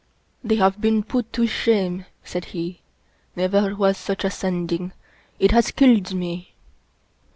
" They have been put to shame," said he. " Never was such a Sending. It has killed me."